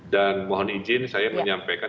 dan mohon izin saya menyampaikan